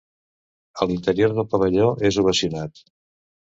A l’interior del pavelló és ovacionat.